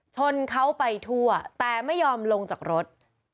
ชนเขาไปทั่วแต่ไม่ยอมลงจากรถ